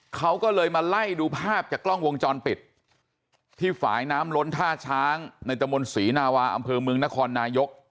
เขาก็เลยมาไล่ดูภาพจากกล้องวงจรปิดที่ฝ่ายน้ำล้นท่าช้างในตะมนต์ศรีนาวาอำเภอเมืองนครนายก